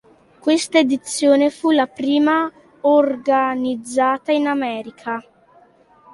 Questa edizione fu la prima organizzata in America.